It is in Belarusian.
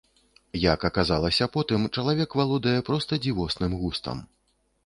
Як аказалася потым, чалавек валодае проста дзівосным густам.